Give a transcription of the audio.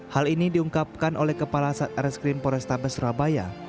hal ini diungkapkan oleh kepala satreskrim porestabes surabaya